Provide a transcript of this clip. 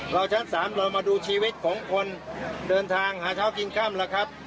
ชั้น๓เรามาดูชีวิตของคนเดินทางหาเช้ากินค่ำแล้วครับ